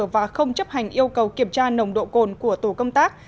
và không chấp hành yêu cầu kiểm tra nồng độ cồn của tổ công tác